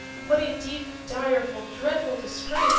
What a cruel, direful, dreadful disgrace!"